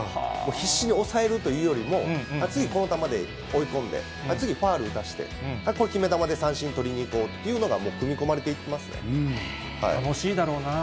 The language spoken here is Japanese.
必死に抑えるというよりも、次この球で追い込んで、次ファウル打たして、これ決め球で三振とりにいこうっていうのがもう、組み込まれてい楽しいだろうなあ。